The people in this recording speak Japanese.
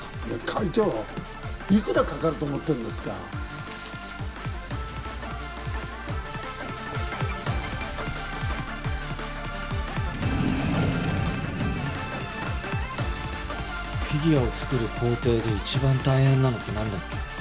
会長いくらかかると思ってんですかフィギュアを作る工程で一番大変なのって何だっけ？